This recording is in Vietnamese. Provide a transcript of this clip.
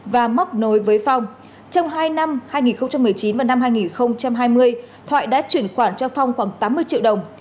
và móc nối với phong trong hai năm hai nghìn một mươi chín và năm hai nghìn hai mươi thoại đã chuyển khoản cho phong khoảng tám mươi triệu đồng